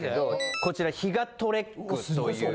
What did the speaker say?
こちらヒガトレックという。